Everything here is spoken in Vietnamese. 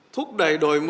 thúc đẩy đổi mới